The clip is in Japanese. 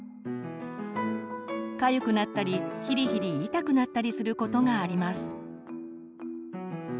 かゆくなったりヒリヒリ痛くなったりすることがあります。